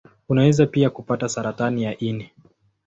Unaweza pia kupata saratani ya ini.